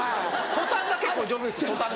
トタンが結構丈夫ですよ。